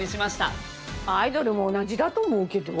アイドルも同じだと思うけど。